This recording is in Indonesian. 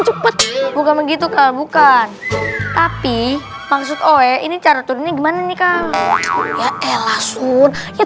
cepet bukan begitu kalau bukan tapi maksud oe ini cara turunnya gimana nih kak ya elah sun ya